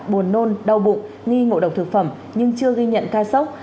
buồn nôn đau bụng nghi ngộ độc thực phẩm nhưng chưa ghi nhận ca sốc